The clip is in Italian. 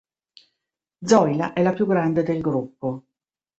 Zoila è la più grande del gruppo.